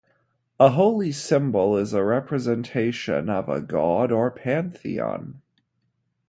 A holy symbol is a representation of a god or pantheon.